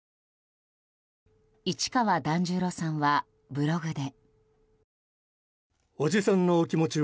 市川團十郎さんは、ブログで。